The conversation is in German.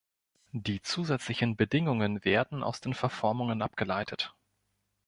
Die zusätzlichen Bedingungen werden aus den Verformungen abgeleitet.